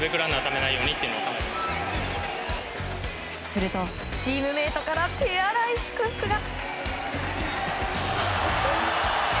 するとチームメートから手荒い祝福が。